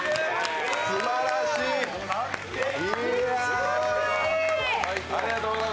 すばらしい。